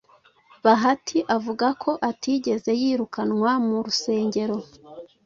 bahati avuga ko atigeze yirukanwa mu rusengero